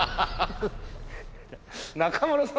中村さん